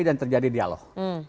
dan terjadi dialog